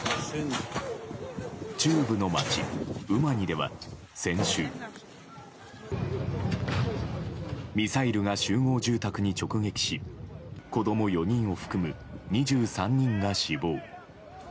中部の街ウマニでは先週ミサイルが集合住宅に直撃し子供４人を含む２３人が死亡。